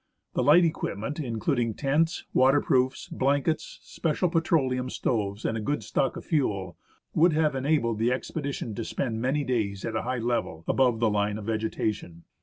The light equipment, including tents, waterproofs, blankets, special petroleum stoves, and a good stock of fuel, would have enabled the expedition to spend many days at a high level, above the line of vegetation.